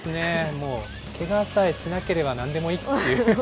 もう、けがさえしなければ、なんでもいい。